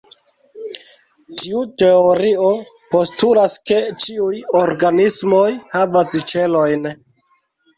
Tiu teorio postulas, ke ĉiuj organismoj havas ĉelojn.